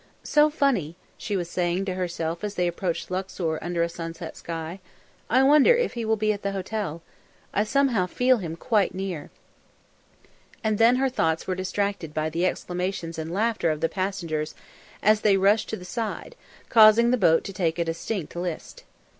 "So funny," she was saying to herself as they approached Luxor under a sunset sky. "I wonder if he will be at the hotel. I somehow feel him quite near." And then her thoughts were distracted by the exclamations and laughter of the passengers as they rushed to the side, causing the boat to take a distinct list.